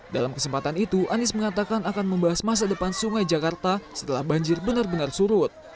dalam kesempatan itu anies mengatakan akan membahas masa depan sungai jakarta setelah banjir benar benar surut